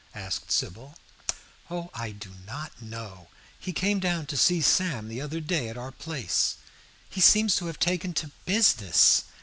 asked Sybil. "Oh, I do not know. He came down to see Sam the other day at our place. He seems to have taken to business.